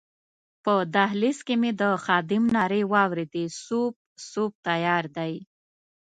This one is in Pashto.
په دهلېز کې مې د خادم نارې واورېدې سوپ، سوپ تیار دی.